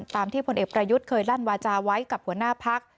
ที่ผลเอกประยุทธ์เคยลั่นวาจาไว้กับหัวหน้าพัก